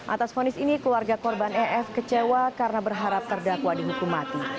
atas fonis ini keluarga korban ef kecewa karena berharap terdakwa dihukum mati